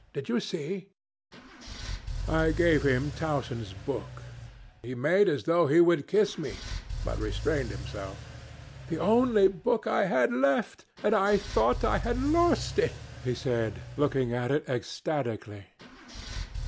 Did you see?' "I gave him Towson's book. He made as though he would kiss me, but restrained himself. 'The only book I had left, and I thought I had lost it,' he said, looking at it ecstatically.